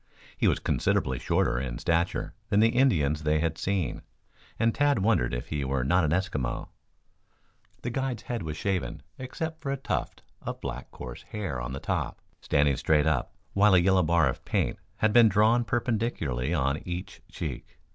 He was considerably shorter in stature than the Indians they had seen, and Tad wondered if he were not an Eskimo. The guide's head was shaven except for a tuft of black coarse hair on the top, standing straight up, while a yellow bar of paint had been drawn perpendicularly on each cheek.